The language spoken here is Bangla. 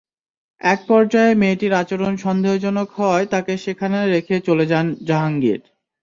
একপর্যায়ে মেয়েটির আচরণ সন্দেহজনক হওয়ায় তাঁকে সেখানে রেখে চলে যান জাহাঙ্গীর।